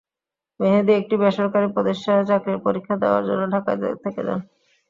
মেহেদি একটি বেসরকারি প্রতিষ্ঠানে চাকরির পরীক্ষা দেওয়ার জন্য ঢাকায় থেকে যান।